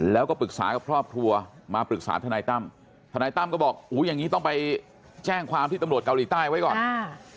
แล้วก็ปรึกษากับครอบครัวมาปรึกษาทนายตั้มทนายตั้มก็บอกอุ้ยอย่างนี้ต้องไปแจ้งความที่ตำรวจเกาหลีใต้ไว้ก่อนอ่า